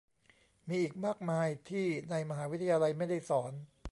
มีอีกมากมายที่ในมหาวิทยาลัยไม่ได้สอน